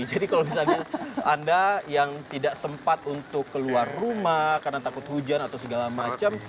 jadi kalau misalnya anda yang tidak sempat untuk keluar rumah karena takut hujan atau segala macam